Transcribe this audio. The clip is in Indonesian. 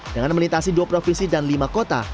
dengan melintasi dua provinsi dan lima kota